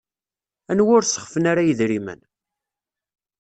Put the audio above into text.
Anwa ur sexfen ara yedrimen?